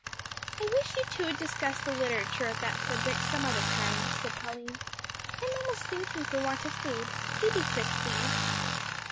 "I wish you two would discuss the literature of that subject some other time," said Pauline. "I'm almost sinking for want of food. Do be quick, please."